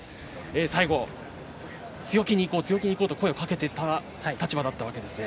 最後、強気にいこうと声をかけていった立場だったわけですね。